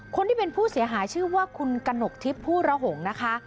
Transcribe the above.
คนที่เป็นผู้เสียหายชื่อว่าคุณกระหนกทิพย์ผู้ระหงนะคะ